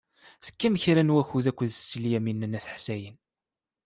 Tekkam kra n wakud akked Setti Lyamina n At Ḥsayen.